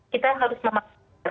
kita harus memakai masker